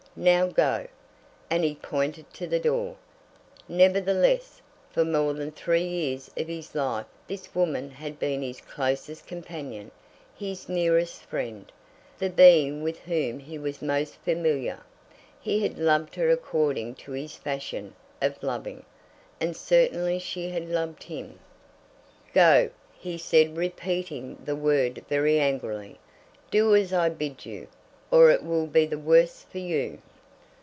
Now go;" and he pointed to the door. Nevertheless, for more than three years of his life this woman had been his closest companion, his nearest friend, the being with whom he was most familiar. He had loved her according to his fashion of loving, and certainly she had loved him. "Go," he said repeating the word very angrily. "Do as I bid you, or it will be the worse for you."